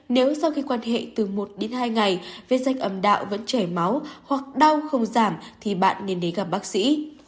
nếu sau khi quan hệ từ một đến hai ngày với danh âm đạo vẫn chảy máu hoặc đau không giảm thì bạn nên đến gặp bác sĩ